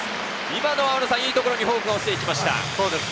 今のはいいところにフォークが落ちました。